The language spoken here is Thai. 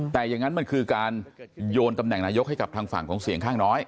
แต่อย่างนั้นมันคือการโยนตำแหน่งนายกให้กับทางฝั่งของเสียงข้างน้อย